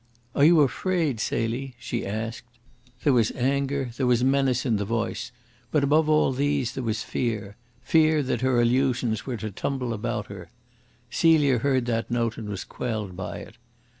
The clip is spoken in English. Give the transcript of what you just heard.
"Are you afraid, Celie?" she asked. There was anger, there was menace in the voice, but above all these there was fear fear that her illusions were to tumble about her. Celia heard that note and was quelled by it.